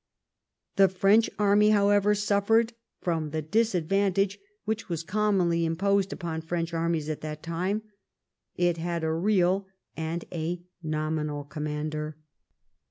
The French 349 THE REIGN OF QUEEN ANNE army, however, suffered from the disadvantage which was commonly imposed upon French armies at that time: it had a real and a nominal commander.